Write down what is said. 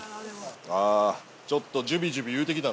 ああちょっとジュビジュビいうてきたね。